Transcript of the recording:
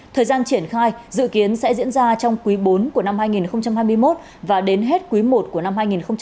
thời gian triển khai dự kiến sẽ diễn ra trong quý bốn của năm hai nghìn hai mươi một và đến hết quý i của năm hai nghìn hai mươi bốn